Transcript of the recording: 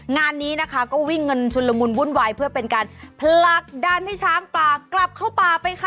งานนี้นะคะก็วิ่งกันชุนละมุนวุ่นวายเพื่อเป็นการผลักดันให้ช้างป่ากลับเข้าป่าไปค่ะ